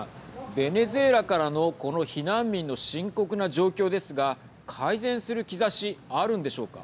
ベネズエラからのこの避難民の深刻な状況ですが改善する兆しあるんでしょうか。